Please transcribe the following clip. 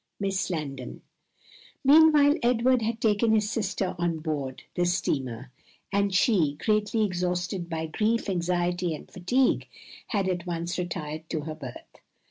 Miss Landon. Meanwhile Edward had taken his sister on board the steamer, and she, greatly exhausted by grief, anxiety, and fatigue, had at once retired to her berth.